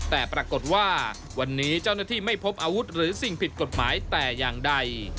แต่ปรากฏว่าวันนี้เจ้าหน้าที่ไม่พบอาวุธหรือสิ่งผิดกฎหมายแต่อย่างใด